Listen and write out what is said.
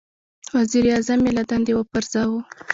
• وزیر اعظم یې له دندې وپرځاوه.